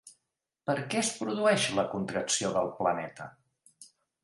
Per què es produeix la contracció del planeta?